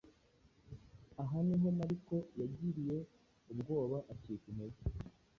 Aha niho Mariko yagiriye ubwoba acika integer